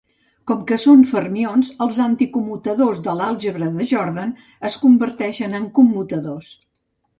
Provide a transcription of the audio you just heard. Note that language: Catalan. Com que són fermions, els anticommutadors de l'àlgebra de Jordan es converteixen en commutadors.